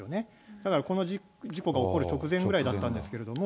だからこの事故が起こる直前ぐらいだったんですけれども。